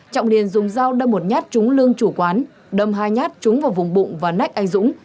trọng liền dùng dao đâm một nhát trúng lương chủ quán đâm hai nhát trúng vào vùng bụng và nách anh dũng